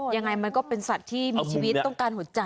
ยังไงมันก็เป็นสัตว์ที่มีชีวิตต้องการหัวใจ